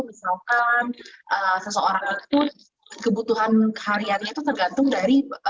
misalkan seseorang itu kebutuhan hariannya itu tergantung dari